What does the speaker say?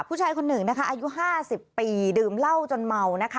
ผู้ชายคนหนึ่งอายุ๕๐ปีดื่มเหล้าจนเมา